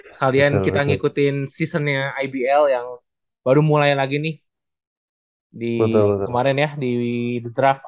sekalian kita ngikutin seasonnya ibl yang baru mulai lagi nih di kemarin ya di draft